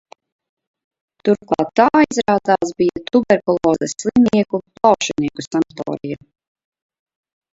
Turklāt tā, izrādās, bija tuberkulozes slimnieku, plaušenieku sanatorija.